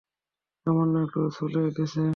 সামান্য একটু ছুঁলে গেছে।